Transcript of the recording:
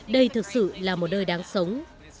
đây thực sự là một nơi đáng sống